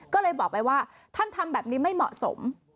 ก็เลยบอกไปว่าท่านทำแบบนี้ไม่เหมาะสม